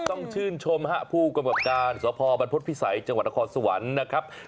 ต้องชื่นชมห้าผู้กรรมการสบพิษัยจคสวรรค์นะครับ